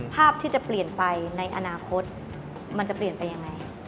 ภาพที่จะเปลี่ยนไปในอนาคตมันจะเปลี่ยนไปยังไง